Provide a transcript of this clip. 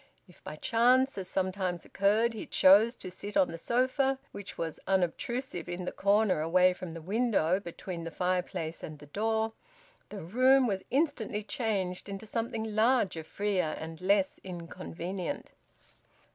If by chance, as sometimes occurred, he chose to sit on the sofa, which was unobtrusive in the corner away from the window, between the fireplace and the door, the room was instantly changed into something larger, freer, and less inconvenient.